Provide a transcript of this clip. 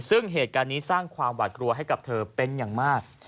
ซึ่งเหตุการณ์นี้สร้างความหวาดกลัวให้กับเธอเป็นอย่างมาก